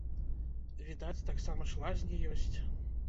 Відаць, таксама ж лазні ёсць?